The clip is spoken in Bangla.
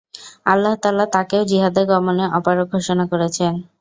আল্লাহ তাআলা তাঁকেও জিহাদে গমনে অপারগ ঘোষণা করেছেন।